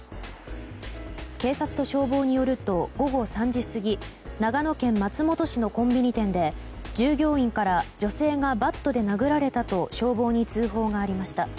警察と消防によると午後３時過ぎ長野県松本市のコンビニ店で従業員から女性がバットで殴られたと消防に通報がありました。